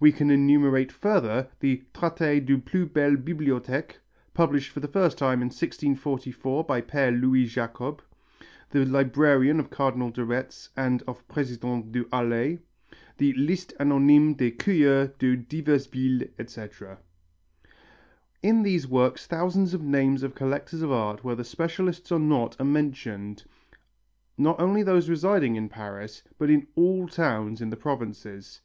We can enumerate further the Traité des plus belles bibliothèques, published for the first time in 1644 by Père Louis Jacob, the librarian of Cardinal de Retz and of President Du Harlay; the Liste anonyme des curieux des diverses villes, etc. In these works thousands of names of collectors of art, whether specialists or not, are mentioned, not only those residing in Paris but in all towns of the provinces.